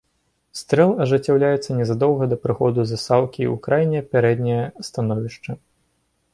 Стрэл ажыццяўляецца незадоўга да прыходу засаўкі ў крайняе пярэдняе становішча.